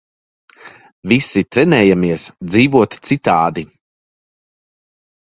Visi trenējamies dzīvot citādi.